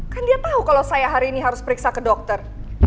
kan dia tahu kalau saya hari ini harus periksa ke dokter